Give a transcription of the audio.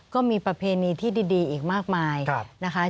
ก็มีประเพณีที่ดีอีกมากมายนะคะ